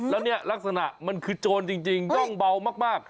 แล้วเนี่ยลักษณะมันคือโจรจริงด้งเบามาก